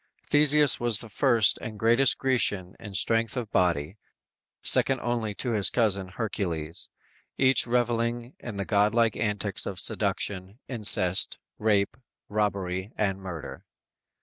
Theseus was the first and greatest Grecian in strength of body, second only to his cousin Hercules, each reveling in the god like antics of seduction, incest, rape, robbery and murder!